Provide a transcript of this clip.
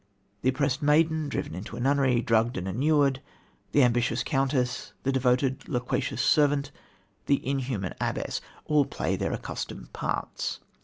The oppressed maiden, driven into a nunnery, drugged and immured, the ambitious countess, the devoted, loquacious servant, the inhuman abbess all play their accustomed parts.